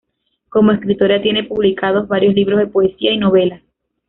Como escritora, tiene publicados varios libros de poesía y novelas.